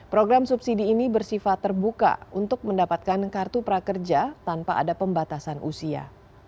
program subsidi ini bersifat terbuka untuk mendapatkan kartu prakerja tanpa ada pembatasan usia